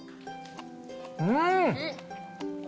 うん！